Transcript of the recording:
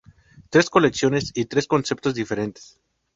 Tres colecciones, y tres conceptos diferentes.